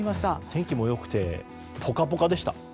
天気も良くてポカポカでした。